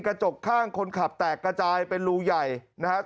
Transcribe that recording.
กระจกข้างคนขับแตกกระจายเป็นรูใหญ่นะครับ